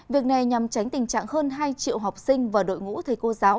việc này nhằm tránh tình trạng hơn hai triệu học sinh và đội ngũ thầy cô giáo